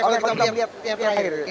oke kalau kita lihat